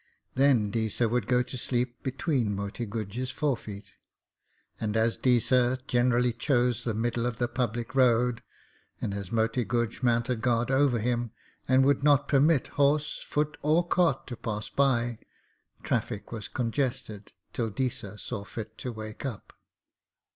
Then Deesa would go to sleep between Moti Guj's forefeet, and as Deesa generally chose the middle of the public road, and as Moti Guj mounted guard over him and would not permit horse, foot, or cart to pass by, traffic was congested till Deesa saw fit to wake up.